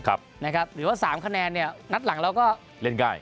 ครับนะครับหรือว่าสามคะแนนเนี่ยนัดหลังเราก็เล่นง่าย